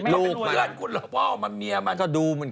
ลูกหมายแล้ว